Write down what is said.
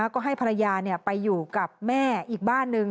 ก็ให้ภรรยาไปอยู่กับแม่อีกบ้านหนึ่ง